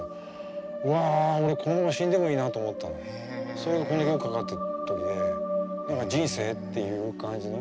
それがこの曲かかってる時で何か人生っていう感じの。